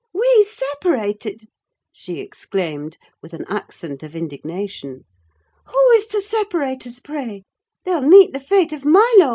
we separated!" she exclaimed, with an accent of indignation. "Who is to separate us, pray? They'll meet the fate of Milo!